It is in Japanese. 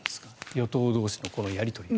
与党同士のこのやり取りは。